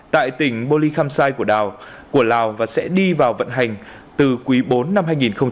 tại tỉnh boli kham sai của lào và sẽ đi vào vận hành từ quý bốn năm hai nghìn hai mươi năm